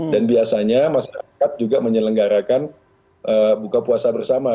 dan biasanya masyarakat juga menyelenggarakan buka puasa bersama